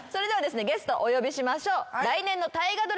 ゲストお呼びしましょう。